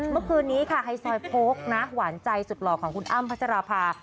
เมื่อคืนนี้ค่ะไฮซอยโพกนะหวานใจสุดหล่อของคุณอ้ำพัชราภา